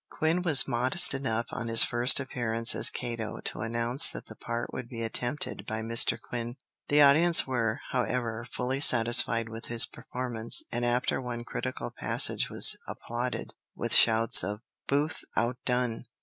Quin was modest enough on his first appearance as Cato to announce that the part would be attempted by Mr. Quin. The audience were, however, fully satisfied with his performance, and after one critical passage was applauded with shouts of "Booth outdone!"